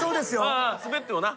ああスベってもな。